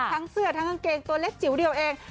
ทั้งเสื้อทั้งกางเกงตัวเล็กจิ๋วเดียวเอง